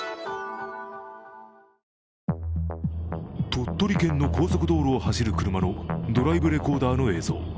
鳥取県の高速道路を走る車のドライブレコーダーの映像。